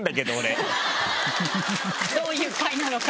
どういう会なのか。